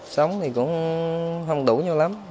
sống thì cũng không đủ nhiều lắm